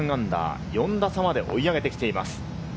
４打差まで追い上げてきています。